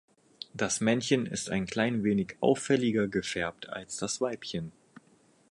Das Männchen ist ein klein wenig auffälliger gefärbt als das Weibchen.